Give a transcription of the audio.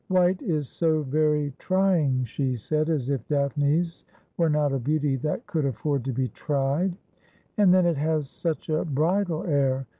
'White is so very trying,' she said, as if Daphne's were not a beauty that could afford to be tried ;' and then it has such a bridal air.